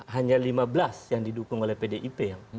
hanya lima belas yang didukung oleh pdip